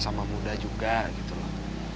sama muda juga gitu loh